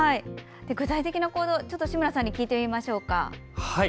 具体的な行動を志村さんに聞いてみましょうか。